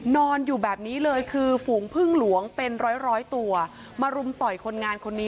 นอนอยู่แบบนี้เลยคือฝูงพึ่งหลวงเป็นร้อยตัวมารุมต่อยคนงานคนนี้